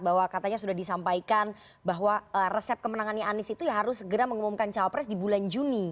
bahwa katanya sudah disampaikan bahwa resep kemenangannya anies itu ya harus segera mengumumkan cawapres di bulan juni